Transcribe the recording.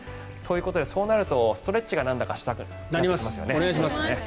ということでそうなるとストレッチがなんだかしたくなりますね。